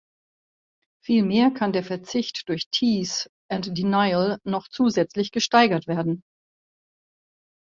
Vielmehr kann der Verzicht durch Tease and Denial noch zusätzlich gesteigert werden.